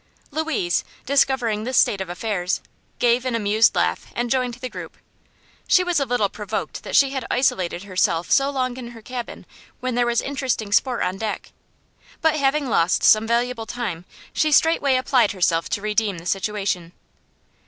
Louise, discovering this state of affairs, gave an amused laugh and joined the group. She was a little provoked that she had isolated herself so long in her cabin when there was interesting sport on deck; but having lost some valuable time she straightway applied herself to redeem the situation.